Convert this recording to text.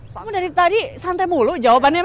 kamu dari tadi santai mulu jawabannya men